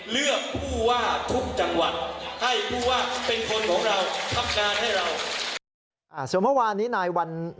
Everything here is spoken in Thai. เลือกผู้ว่าทุกจังหวัดให้ผู้ว่าเป็นคนของเราทับงานให้เรา